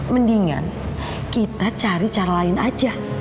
mendingan kita cari cara lain aja